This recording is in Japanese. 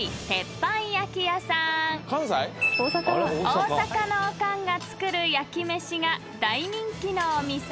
［大阪のオカンが作る焼き飯が大人気のお店］